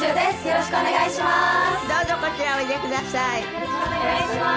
よろしくお願いします。